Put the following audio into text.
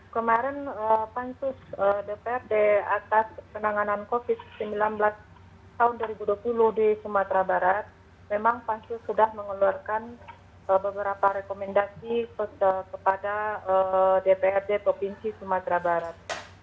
kemarin pansus dprd atas penanganan covid sembilan belas tahun dua ribu dua puluh di sumatera barat memang pansus sudah mengeluarkan beberapa rekomendasi kepada dprd provinsi sumatera barat